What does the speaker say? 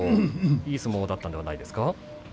いい相撲だったのではないですか。